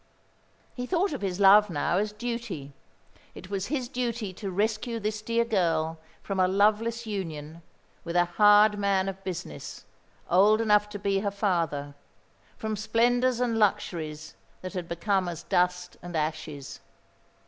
He thought of his love now as duty. It was his duty to rescue this dear girl from a loveless union with a hard man of business, old enough to be her father, from splendours and luxuries that had become as dust and ashes.